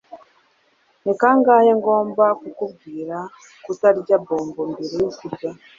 ni kangahe ngomba kukubwira kutarya bombo mbere yo kurya